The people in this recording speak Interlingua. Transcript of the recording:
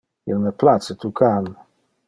Il me place tu can.